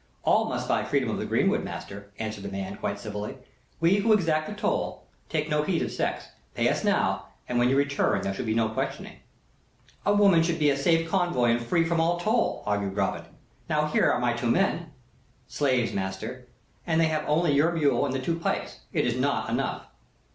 "All must buy freedom of the greenwood, master," answered the man, quite civilly. "We, who exact the toll, take no heed of sex. Pay us now, and when you return there shall be no questioning." "A woman should be a safe convoy and free from all toll," argued Robin. "Now here are my two men." "Slaves, master; and they have only your mule and the two pikes. It is not enough."